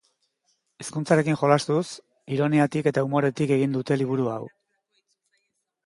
Hizkuntzarekin jolastuz, ironiatik eta umoretik egin dute liburu hau.